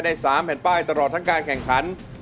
๓แผ่นป้ายตลอดทั้งการแข่งขัน